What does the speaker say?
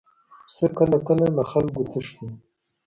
پسه کله کله له خلکو تښتي.